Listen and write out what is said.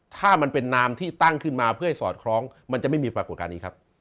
ถ้ามันเป็นนามที่ตั้งขึ้นมาเพื่อให้สอดคล้องมันจะไม่มีปรากฏการณ์นี้ครับ